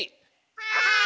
はい！